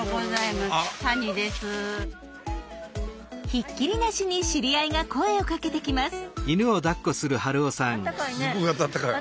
ひっきりなしに知り合いが声をかけてきます。